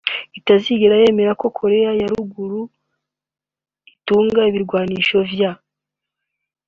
itazigera yemera ko Korea ya Ruguru itunga ibigwanisho vya